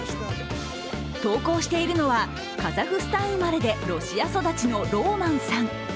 投稿しているのは、カザフスタン生まれでロシア育ちのローマンさん。